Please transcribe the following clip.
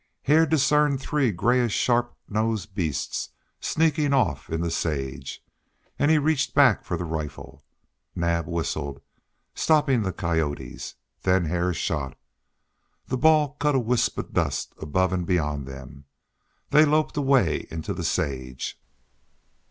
Hare discerned three grayish sharp nosed beasts sneaking off in the sage, and he reached back for the rifle. Naab whistled, stopping the coyotes; then Hare shot. The ball cut a wisp of dust above and beyond them. They loped away into the sage.